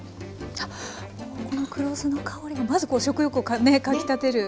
あっもうこの黒酢の香りがまず食欲をねかきたてる。